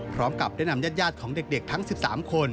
พร้อมกับได้นำญาติของเด็กทั้ง๑๓คน